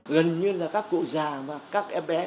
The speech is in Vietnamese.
gần như là các cụ già và các em bé